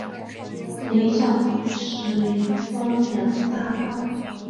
雷展鹏实为汪洋大盗。